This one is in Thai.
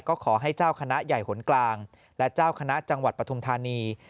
ก็ขอให้เจ้าคณะใหญ่หนกลางและเจ้าคณะจังหวัดปฐุมธานี